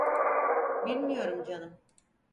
Bilmiyorum canım.